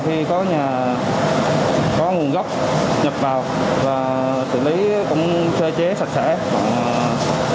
khi có nhà có nguồn gốc nhập vào và xử lý cũng sơ chế sạch sẽ